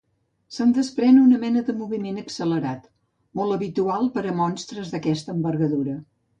Se'n desprèn una mena de moviment accelerat molt inhabitual per a monstres d'aquesta envergadura.